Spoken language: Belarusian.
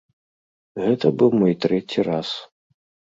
Гэта быў мой трэці раз.